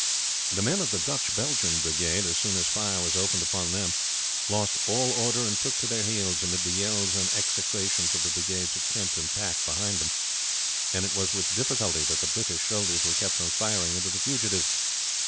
The men of the Dutch Belgian brigade, as soon as fire was opened upon them, lost all order and took to their heels, amid the yells and execrations of the brigades of Kempt and Pack behind them, and it was with difficulty that the British soldiers were kept from firing into the fugitives.